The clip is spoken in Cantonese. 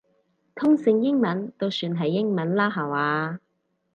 通勝英文都算係英文啦下嘛